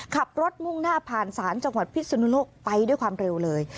ขับรถมุ่งหน้าผ่านศาลจังหวัดพิศนุโลกไปด้วยความเร็วเลย